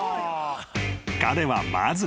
［彼はまず］